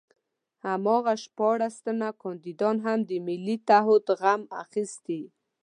هماغه شپاړس تنه کاندیدان هم د ملي تعهُد غم اخیستي.